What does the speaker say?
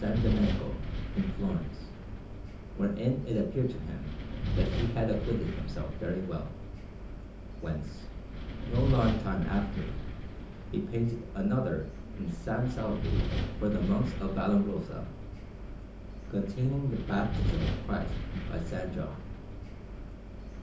Domenico in Florence, wherein it appeared to him that he had acquitted himself very well; whence, no long time after, he painted another in S. Salvi for the Monks of Vallombrosa, containing the Baptism of Christ by S. John.